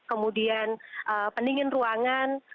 kemudian pendingin ruangan